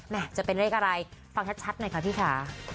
จะเป็นเลขอะไรฟังชัดหน่อยค่ะพี่ค่ะ